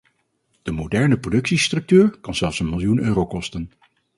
De moderne productiestructuur kan zelfs een miljoen euro kosten.